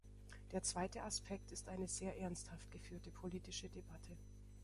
Der zweite Aspekt ist eine sehr ernsthaft geführte politische Debatte.